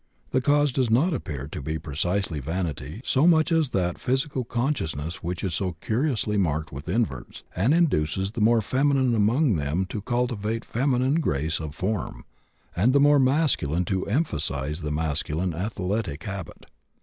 The cause does not appear to be precisely vanity so much as that physical consciousness which is so curiously marked in inverts, and induces the more feminine among them to cultivate feminine grace of form, and the more masculine to emphasize the masculine athletic habit.